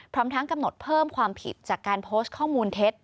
พร้อมทั้งกำหนดเพิ่มความผิดจากการโพสต์ข้อมูลเท็จ